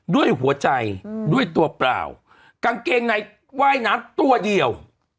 ด้วยหัวใจด้วยตัวเปล่ากางเกงในว่ายน้ำตัวเดียว